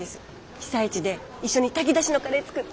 被災地で一緒に炊き出しのカレー作って。